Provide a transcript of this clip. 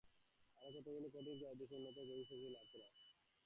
আরও কতকগুলি কঠিন ক্রিয়ার উদ্দেশ্য উন্নততর যৌগিক শক্তি লাভ করা।